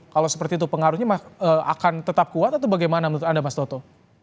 kalau seperti itu pengaruhnya akan tetap kuat atau bagaimana menurut anda mas toto